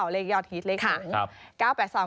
๒๘๙เลขยอดฮิตเลขหง